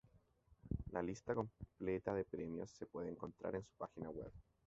La lista completa de premios se puede encontrar en su página web.